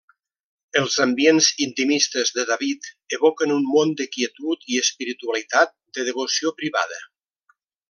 Els ambients intimistes de David evoquen un món de quietud i espiritualitat, de devoció privada.